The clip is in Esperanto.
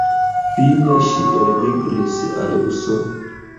Fine ŝi elmigris al Usono.